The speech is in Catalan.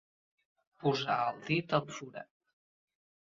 Posar el dit al forat.